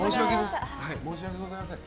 申し訳ございません。